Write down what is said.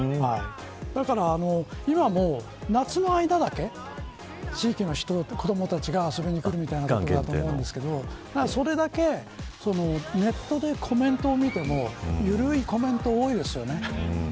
だから今も夏の間だけ地域の人、子どもたちが遊びに来るみたいなのがあると思うんですけどそれだけネットでコメントを見てもゆるいコメントが多いですよね。